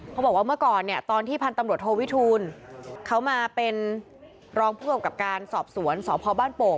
บอกว่าเมื่อก่อนเนี่ยตอนที่พันธุ์ตำรวจโทวิทูลเขามาเป็นรองผู้กำกับการสอบสวนสพบ้านโป่ง